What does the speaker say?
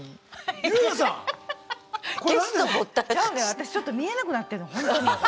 私ちょっと見えなくなってんの。